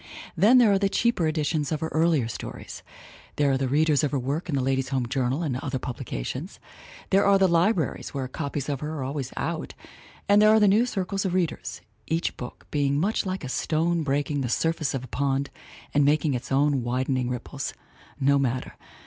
Then there are the cheaper editions of her earlier stories; there are the readers of her work in the Ladies' Home Journal and other publications; there are the libraries where copies of her are always "out" and there are new circles of readers, each book being much like a stone breaking the surface of a pond and making its own widening ripples; no matter.